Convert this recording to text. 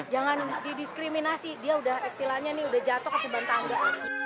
jangan didiskriminasi dia udah istilahnya nih udah jatuh atau dibantah nggak